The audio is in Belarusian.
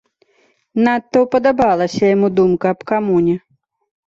Надта ўпадабалася яму думка аб камуне.